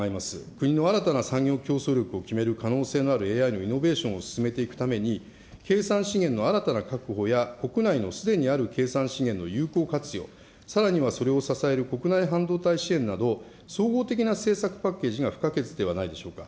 国の新たな産業競争力を決める可能性のあるＡＩのイノベーションを進めていくために、計算資源の新たな確保や、国内のすでにある計算資源の有効活用、さらにはそれを支える国内半導体支援など、総合的な政策パッケージが不可欠ではないでしょうか。